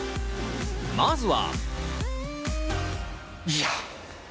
まずは。